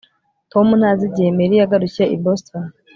tom ntazi igihe mary yagarukiye i boston